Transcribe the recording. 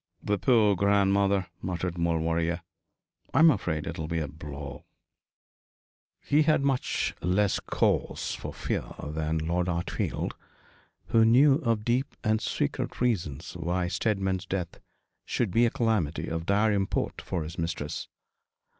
'The poor grandmother,' muttered Maulevrier. 'I'm afraid it will be a blow.' He had much less cause for fear than Lord Hartfield, who knew of deep and secret reasons why Steadman's death should be a calamity of dire import for his mistress.